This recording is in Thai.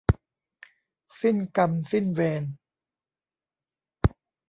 สิ้นกรรมสิ้นเวร